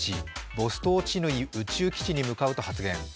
ボストーチヌイ宇宙基地に向かうと発言。